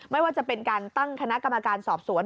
ไม่ว่าจะเป็นการตั้งคณะกรรมการสอบสวน